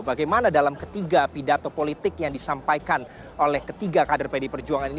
bagaimana dalam ketiga pidato politik yang disampaikan oleh ketiga kader pdi perjuangan ini